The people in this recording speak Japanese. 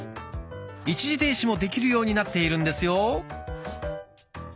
一時停止もできるようになっているんですよ。